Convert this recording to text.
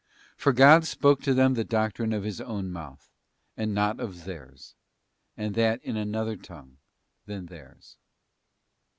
For God spoke to them the doctrine of His own mouth, and not of theirs, and that in another tongue than theirs.